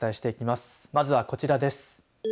まずはこちらです。